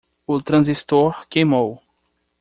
O transistor queimou